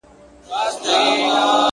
په رياضت کي ودې حد ته رسېدلی يمه;